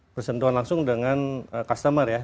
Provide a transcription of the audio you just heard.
bersentuhan langsung dengan customer ya